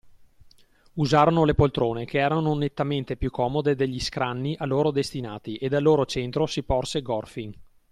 Usarono le poltrone, che erano nettamente più comode degli scranni a loro destinati, ed al loro centro si porse Gorfin.